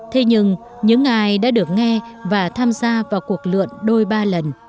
thế nhưng những ai đã được nghe và tham gia vào cuộc lượn đôi ba lần